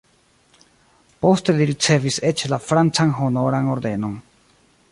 Poste li ricevis eĉ la francan Honoran Ordenon.